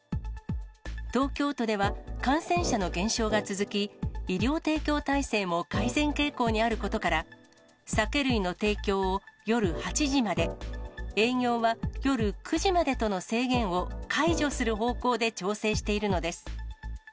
東京都では感染者の減少が続き、医療提供体制も改善傾向にあることから、酒類の提供を夜８時まで、営業は夜９時までとの制限を解除する方向で調整しているのです。